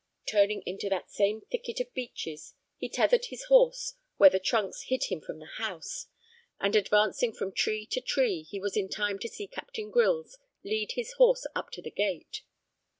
Turning into that same thicket of beeches, he tethered his horse where the trunks hid him from the house, and advancing from tree to tree he was in time to see Captain Grylls lead his horse up to the gate.